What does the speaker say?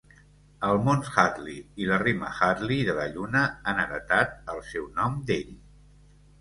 El mons Hadley i la rima Hadley de la lluna han heretat el seu nom d'ell.